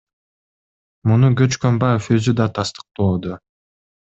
Муну Көчкөнбаев өзү да тастыктоодо.